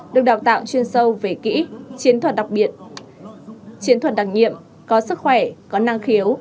được đào tạo chuyên sâu về kỹ chiến thuật đặc biệt chiến thuật đặc nhiệm có sức khỏe có năng khiếu